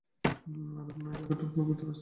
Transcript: রাবণ ঐ রেখা টপকে ভেতরে আসতে বাধাপ্রাপ্ত হন।